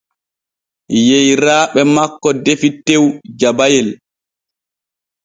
Yeyraaɓe makko defi tew jabayel.